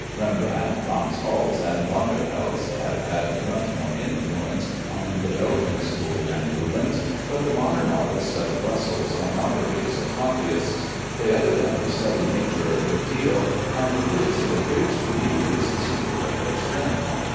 Rembrandt, Franz Hals, and Vanderhelst have had much more influence on the Belgian school than Rubens, but the modern artists of Brussels are not a race of copyists. They evidently study nature a good deal, and this, it appears to me, is the secret of their strength.